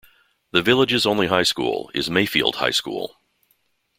The village's only high school is Mayfield High School.